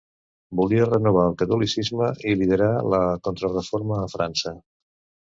Volia renovar el catolicisme i liderar la Contrareforma a França.